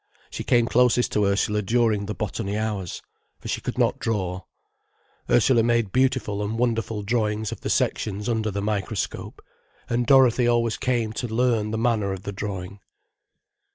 She came closest to Ursula during the botany hours. For she could not draw. Ursula made beautiful and wonderful drawings of the sections under the microscope, and Dorothy always came to learn the manner of the drawing.